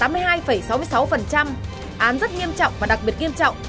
án rất nghiêm trọng và đặc biệt nghiêm trọng